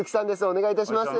お願い致します。